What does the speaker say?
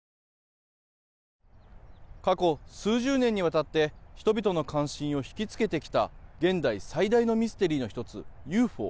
過去数十年にわたって人々の関心を引きつけてきた現代最大のミステリーの１つＵＦＯ。